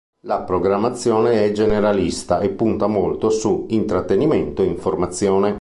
La programmazione è generalista e punta molto su intrattenimento e informazione.